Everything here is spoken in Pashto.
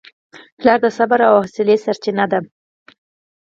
پلار د صبر او حوصلې سرچینه ده.